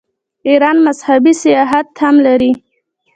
ایران مذهبي سیاحت هم لري.